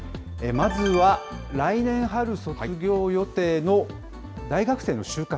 まずは来年春卒業予定の大学生の就活。